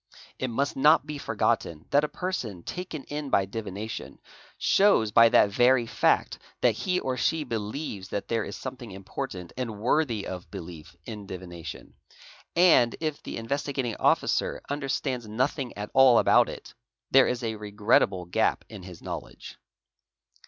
It must not be forgotten that a person taken in by livination shows by that very fact that he or she believes that there is sow ething important and worthy of believe in divination, and, if the aan rR: iG a PS ilies Jf ttt Base JUTE OR IAM, ROR iE oI tad Je. investigating Officer understands nothing at all about it, there is a re er rettable gap in his knowledge.